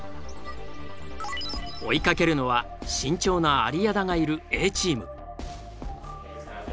追いかけるのは慎重な有屋田がいるＡチーム。